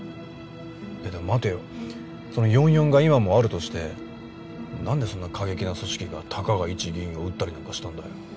でも待てよその４４が今もあるとしてなんでそんな過激な組織がたかが一議員を撃ったりなんかしたんだよ？